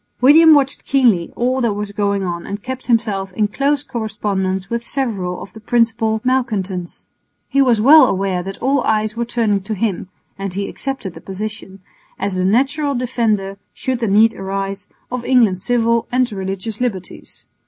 William watched keenly all that was going on and kept himself in close correspondence with several of the principal malcontents. He was well aware that all eyes were turning to him (and he accepted the position) as the natural defender, should the need arise, of England's civil and religious liberties.